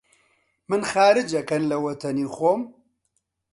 من خارج ئەکەن لە وەتەنی خۆم!؟